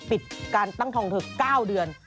ปิดการตั้งทองเธอ๙เดือน